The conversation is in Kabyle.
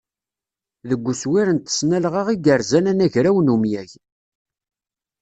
Deg uswir n tesnalɣa i yerzan anagraw n umyag.